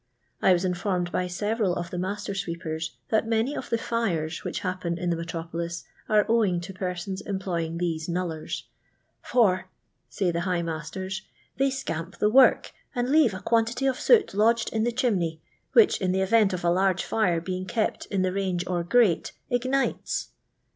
I was informed by several of the master sweepers, that many of the fires which happen in the metropolis are owing to persons employing these "knullera," "for," say the high masters, "they scamp the work, and leave a quantity of soot lodged in the chimney, which, in the event of a large fire being kept in the range or grate, ignites."